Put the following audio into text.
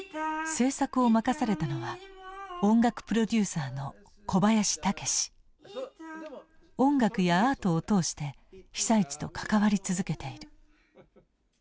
制作を任されたのは音楽やアートを通して被災地と関わり続けている。